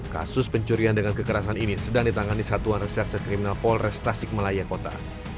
kasus pencurian dengan kekerasan ini sedang ditangani satuan reserse kriminal polres tasik malaya kota